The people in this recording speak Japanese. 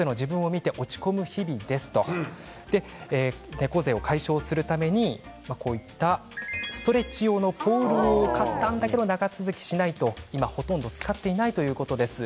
猫背を解消するためにストレッチ用のポールを買ったんだけど長続きしないと今ほとんど使っていないということです。